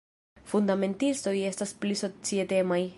fundamentistoj estas pli societemaj.